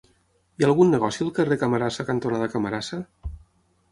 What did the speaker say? Hi ha algun negoci al carrer Camarasa cantonada Camarasa?